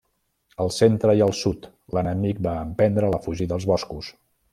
Al centre i el sud, l'enemic va emprendre la fugida als boscos.